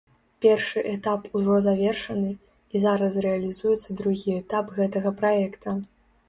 Першы этап ужо завершаны, і зараз рэалізуецца другі этап гэтага праекта.